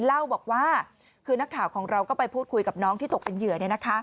เล่าบอกว่าคือนักข่าวของเราก็ไปพูดคุยกับน้องที่ตกเป็นเหยื่อ